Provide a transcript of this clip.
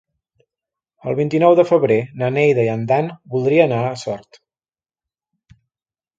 El vint-i-nou de febrer na Neida i en Dan voldrien anar a Sort.